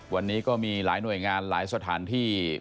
วันนี้ก็มีหลายหน่วยงานหลายสถานที่